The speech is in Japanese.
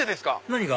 何が？